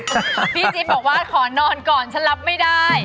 พี่จิ๊บบอกว่าขอนอนก่อนฉันรับไม่ได้